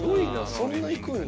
そんな行くんや。